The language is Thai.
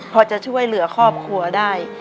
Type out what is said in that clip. พอจะช่วยเหลือครอบครัวได้